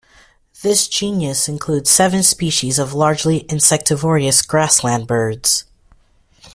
This genus includes seven species of largely insectivorous grassland birds.